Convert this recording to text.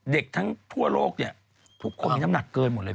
เด็กทั้งทั่วโลกเนี่ยทุกคนมีน้ำหนักเกินหมดเลย